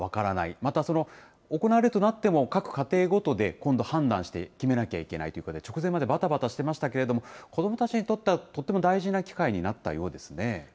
また行われるとなっても、各家庭ごとで今度、判断して決めなきゃいけないということで、直前までばたばたしてましたけど、子どもたちにとっては、とっても大事な機会になったようですね。